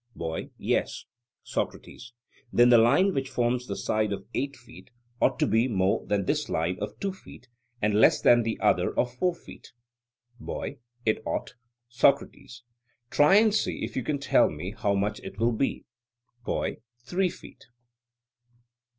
BOY: Yes. SOCRATES: Then the line which forms the side of eight feet ought to be more than this line of two feet, and less than the other of four feet? BOY: It ought. SOCRATES: Try and see if you can tell me how much it will be. BOY: Three feet.